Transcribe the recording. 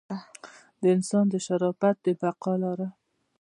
د انسان د شرافت د بقا لاره.